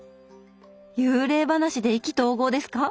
幽霊話で意気投合ですか？